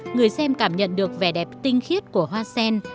người xem cảm nhận được vẻ đẹp tinh khiết của hoa sen